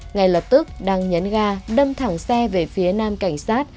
ngay lập tức đang nhấn ga đâm thẳng xe về phía nam cảnh sát